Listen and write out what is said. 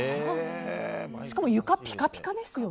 しかも、床ピカピカですよ。